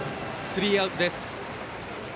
スリーアウトです。